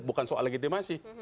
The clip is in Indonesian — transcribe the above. bukan soal legitimasi